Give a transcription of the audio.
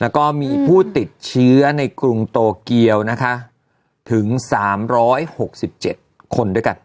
แล้วก็มีผู้ติดเชื้อในกรุงโตเกียวนะคะถึง๓๖๗คนด้วยกัน